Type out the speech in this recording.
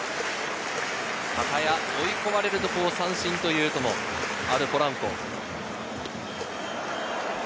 追い込まれると三振というのもあるポランコ。